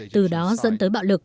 từ đó dẫn tới bạo lực